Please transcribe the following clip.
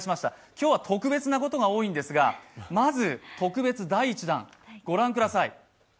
今日は特別なことが多いんですがまず特別第１弾、ご覧ください。